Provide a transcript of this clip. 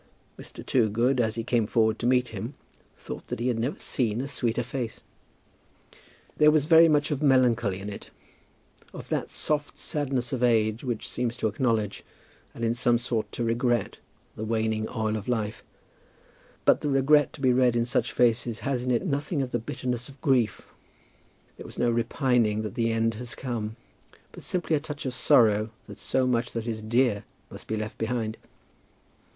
Mr. Toogood, as he came forward to meet him, thought that he had never seen a sweeter face. There was very much of melancholy in it, of that soft sadness of age which seems to acknowledge, and in some sort to regret, the waning oil of life; but the regret to be read in such faces has in it nothing of the bitterness of grief; there is no repining that the end has come, but simply a touch of sorrow that so much that is dear must be left behind.